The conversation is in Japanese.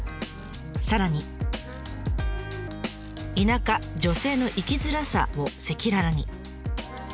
さらに「『田舎×女性』の生きづらさ」を赤裸々に。